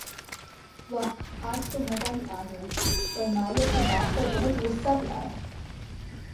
واہ آج تو مزہ ہی آ گیا پر ماریہ کے باپ پر بہت غصہ بھی آیا